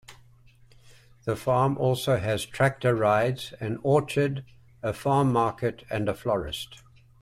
The farm also has tractor rides, an orchard, a farm market and a florist.